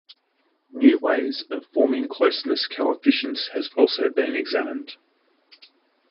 New ways of forming closeness coefficients has also been examined.